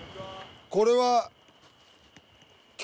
これは。